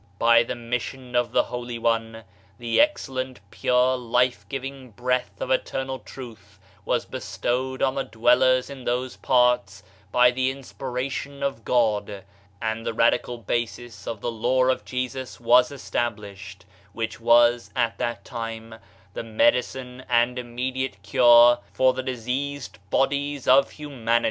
By the mission of the holy One, the excellent, pure, life giving breath of eternal truth was be stowed on the dwellers in those parts, by the in spiration of God, and the radical basis of the Law of Jesus was established, which was, at that time, the medicine and immediate cure for the diseased bodies of humanity.